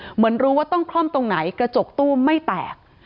เหมือนรู้ว่าต้องคล่อมตรงไหนกระจกตู้ไม่แตก